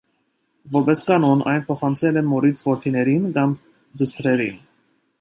Որպես կանոն այն փոխանցվել է մորից որդիներին կամ դստրերին։